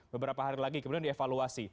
beberapa hari lagi kemudian dievaluasi